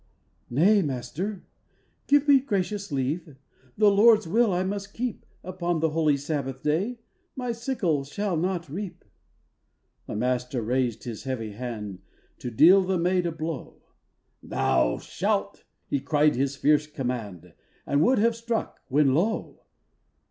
"Nay, Master, give me gracious leave The Lord's will I must keep; Upon the holy Sabbath day My sickle shall not reap!" The master raised his heavy hand To deal the maid a blow; "Thou shalt!" he cried his fierce command, And would have struck, when lo!